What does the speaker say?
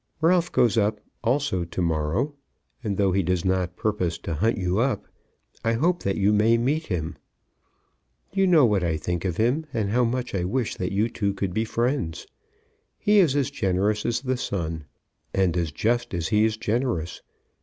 Ralph goes up also to morrow; and though he does not purpose to hunt you up, I hope that you may meet. You know what I think of him, and how much I wish that you two could be friends. He is as generous as the sun, and as just as he is generous.